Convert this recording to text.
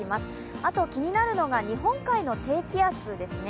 あと気になるのが日本海側の低気圧ですね。